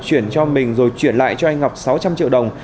chuyển cho mình rồi chuyển lại cho anh ngọc sáu trăm linh triệu đồng